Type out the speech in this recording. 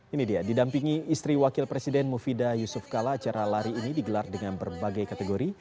ini dia didampingi istri wakil presiden mufidah yusuf kala acara lari ini digelar dengan berbagai kategori